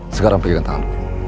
sekarang pergi ke tangan